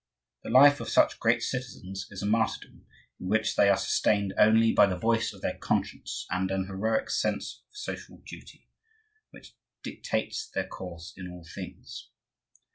The life of such great citizens is a martyrdom, in which they are sustained only by the voice of their conscience and an heroic sense of social duty, which dictates their course in all things.